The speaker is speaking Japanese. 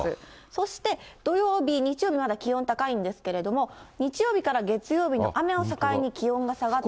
そして土曜日、日曜日、まだ気温高いんですけれども、日曜日から月曜日の雨を境に気温が下がって。